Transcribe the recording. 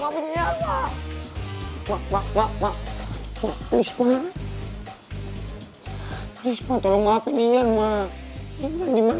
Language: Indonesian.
kau ngapain lagi lu